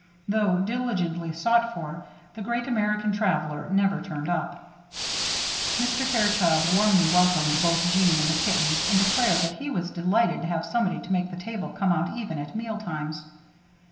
Though diligently sought for, the great American traveler never turned up. Mr. Fairchild warmly welcomed both Jeanne and the kittens and declared that he was delighted to have somebody to make the table come out even at meal times.